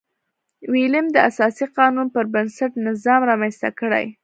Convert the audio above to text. ویلیم د اساسي قانون پربنسټ نظام رامنځته کړي.